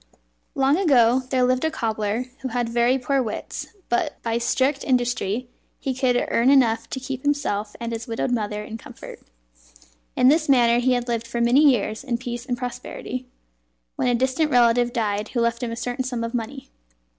Long ago there lived a cobbler who had very poor wits, but by strict industry he could earn enough to keep himself and his widowed mother in comfort. In this manner he had lived for many years in peace and prosperity, when a distant relative died who left him a certain sum of money.